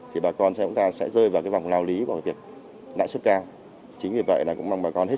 thì bà con sẽ rơi vào vòng lao lý và việc lãi xuất cao